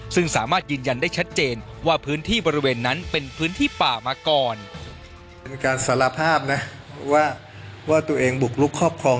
ซึ่งสามารถยืนยันได้ชัดเจนว่าพื้นที่บริเวณนั้นเป็นพื้นที่ป่ามาก่อน